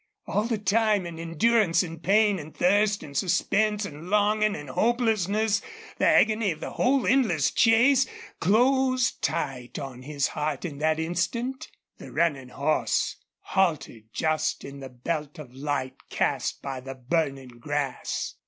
All the time and endurance and pain and thirst and suspense and longing and hopelessness the agony of the whole endless chase closed tight on his heart in that instant. The running horse halted just in the belt of light cast by the burning grass.